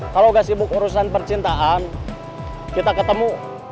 kalau gak sibuk urusan percintaan kita ketemu